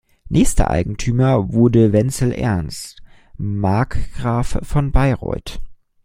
Nächster Eigentümer wurde Wenzel Ernst, Markgraf von Bayreuth.